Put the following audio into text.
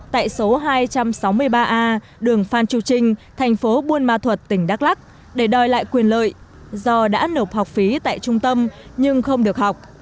tại số hai trăm sáu mươi ba a đường phan chu trinh thành phố buôn ma thuật tỉnh đắk lắc để đòi lại quyền lợi do đã nộp học phí tại trung tâm nhưng không được học